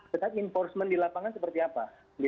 tetapi enforcement di lapangan seperti apa